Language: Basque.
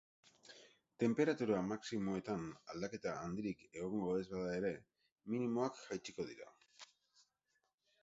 Tenperatura maximoetan aldaketa handirik egongo ez bada ere, minimoak jaitsiko dira.